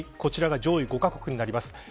こちらが上位５カ国になります。